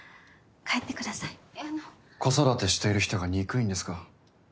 子育てしている人が憎いんですか？